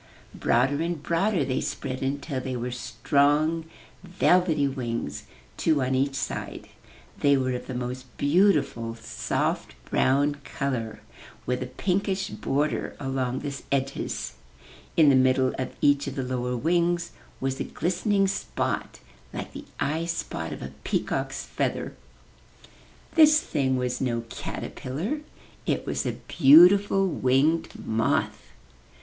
Broader and broader they spread until they were strong, velvety wings, two on each side. They were of the most beautiful soft brown color, with a pinkish border along the edges. In the middle of each of the lower wings was a glistening spot like the *'eye spot on a peacock's feather. 49 MY BOOK HOUSE This thing was no caterpillar: it was a beautiful winged moth.